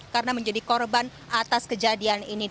karena menjadi korban atas kejadian ini